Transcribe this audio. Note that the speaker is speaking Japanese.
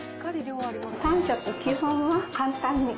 ３食基本は簡単に。